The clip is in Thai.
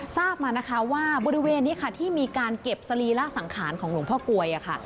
ทราบมานะคะว่าบริเวณนี้ค่ะที่มีการเก็บสรีระสังขารของหลวงพ่อกลวยค่ะ